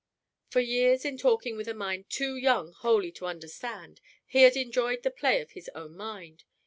For years, in talking with a mind too young wholly to understand, he had enjoyed the play of his own mind.